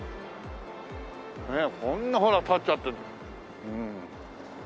こんなほら建っちゃってうん。